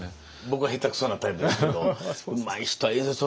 僕は下手くそなタイプですけどうまい人はいる。